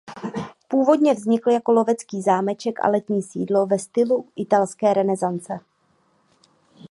Původně vznikl jako lovecký zámeček a letní sídlo ve stylu italské renesance.